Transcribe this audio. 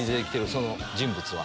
その人物は。